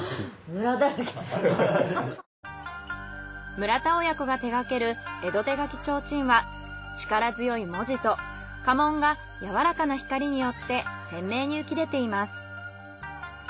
村田親子が手がける江戸手描提灯は力強い文字と家紋がやわらかな光によって鮮明に浮き出ています。